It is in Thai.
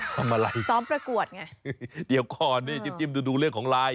ค่ะทำอะไรซ้อมประกวดไงเดี๋ยวก่อนเนี่ยจิ้มจิ้มดูดูเรื่องของลาย